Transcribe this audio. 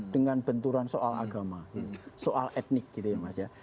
dengan benturan soal agama soal etnik gitu ya mas ya